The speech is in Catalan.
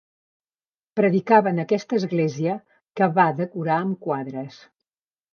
Predicava en aquesta església, que va decorar amb quadres.